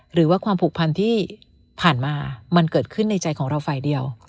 หรือว่าความผูกพันที่ผ่านมามันเกิดขึ้นในใจของเราฝ่ายเดียว